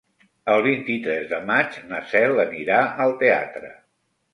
El vint-i-tres de maig na Cel anirà al teatre.